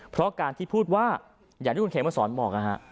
เพราะการที่พูดว่าอย่างที่คุณเขมสอนบอกนะฮะ